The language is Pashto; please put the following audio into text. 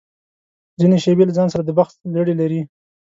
ځینې شېبې له ځان سره د بخت زړي لري.